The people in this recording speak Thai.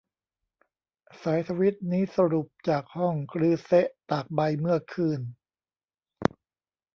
สายทวีตนี้สรุปจากห้อง กรือเซะ ตากใบ เมื่อคืน